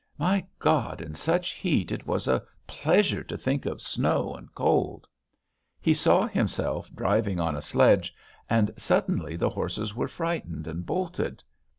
My God, in such heat it was a pleasure to think of snow and cold! He saw himself driving on a sledge, and suddenly the horses were frightened and bolted....